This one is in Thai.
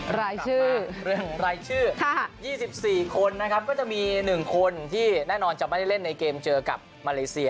รายชื่อเรื่องของรายชื่อ๒๔คนนะครับก็จะมี๑คนที่แน่นอนจะไม่ได้เล่นในเกมเจอกับมาเลเซีย